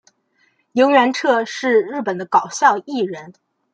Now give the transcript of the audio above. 萤原彻是日本的搞笑艺人。